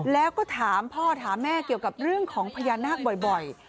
แล้วก็ถามพ่อถามแม่เกี่ยวกับเรื่องของพญานาคบ่อย